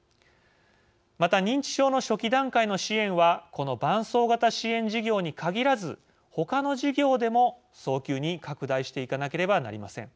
また、認知症の初期段階の支援はこの伴走型支援事業に限らず他の事業でも早急に拡大していかなければなりません。